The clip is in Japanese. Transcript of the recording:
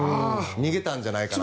逃げたんじゃないかと。